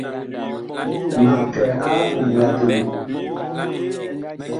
Mag kɛ a eɓom la tutu.